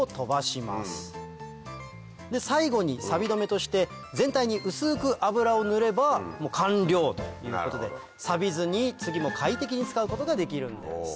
最後にさび止めとして全体に薄く油を塗れば完了ということでさびずに次も快適に使うことができるんです。